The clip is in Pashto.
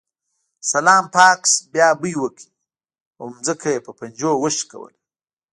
سلای فاکس بیا بوی وکړ او ځمکه یې په پنجو وښکوله